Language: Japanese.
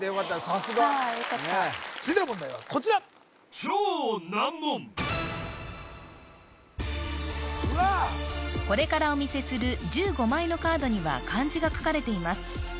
さすがはいよかった続いての問題はこちらこれからお見せする１５枚のカードには漢字が書かれています